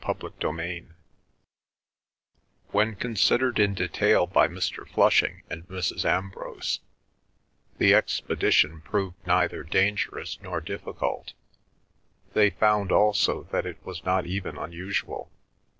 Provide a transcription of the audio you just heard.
CHAPTER XX When considered in detail by Mr. Flushing and Mrs. Ambrose the expedition proved neither dangerous nor difficult. They found also that it was not even unusual.